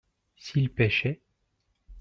s'il pêchait.